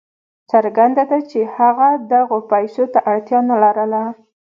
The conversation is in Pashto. څرګنده ده چې هغه دغو پیسو ته اړتیا نه لرله.